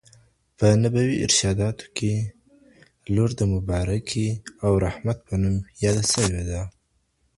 په نبوي ارشاداتو کي لور د "مبارکي" او "رحمت" په نوم یاده سوي ده